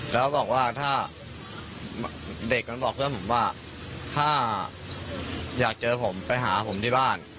แล้วเมื่อวันที่๑๙